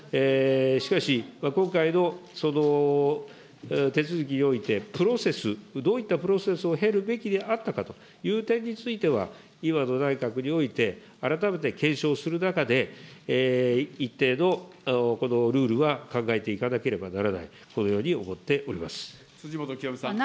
しかし、今回の手続きにおいて、プロセス、どういったプロセスを経るべきであったかという点については、今の内閣において、改めて検証する中で、一定のルールは考えていかなければならない、このように思ってお辻元清美さん。